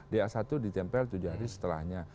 di a satu ditempel tujuh hari setelahnya